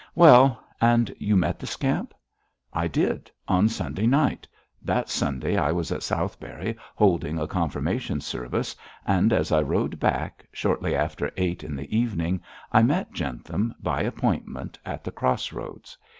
'Well, and you met the scamp?' 'I did, on Sunday night that Sunday I was at Southberry holding a confirmation service, and as I rode back, shortly after eight in the evening, I met Jentham, by appointment, at the Cross Roads.